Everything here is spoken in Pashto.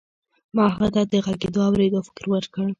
ما هغه ته د غږېدو او اورېدو فکر ورکړ.